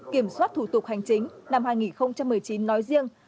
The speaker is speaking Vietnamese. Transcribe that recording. kiểm soát thủ tục hành chính năm hai nghìn một mươi chín nói riêng